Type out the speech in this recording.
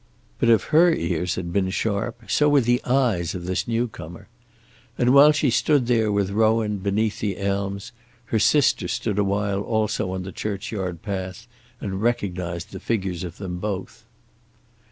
But if her ears had been sharp, so were the eyes of this new comer. And while she stood there with Rowan beneath the elms, her sister stood a while also on the churchyard path and recognized the figures of them both.